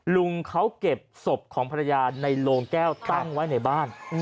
ลุงเขาเก็บศพของภรรยาในโลงแก้วตั้งไว้ในบ้าน